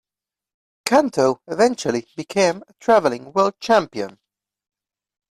Canto eventually became a traveling world champion.